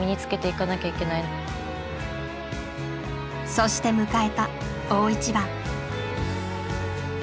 そして迎えた大一番。